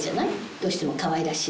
どうしても可愛らしい。